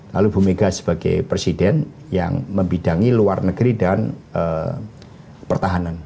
lalu bu mega sebagai presiden yang membidangi luar negeri dan pertahanan